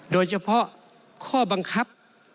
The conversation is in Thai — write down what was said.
โดยเฉพาะข้อบังคับ